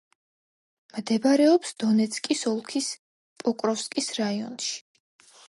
მდებარეობს დონეცკის ოლქის პოკროვსკის რაიონში.